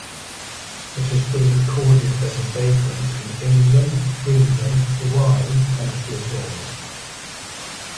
It has been recorded as a vagrant in England, Greenland, Hawaii, and the Azores.